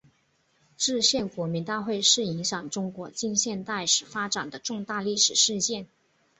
制宪国民大会是影响中国近现代史发展的重大历史事件。